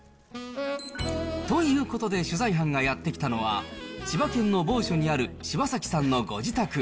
ということで、取材班がやって来たのは、千葉県の某所にある柴崎さんのご自宅。